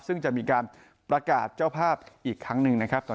ซึ่งจะมีการประกาศเจ้าภาพอีกครั้งหนึ่งนะครับ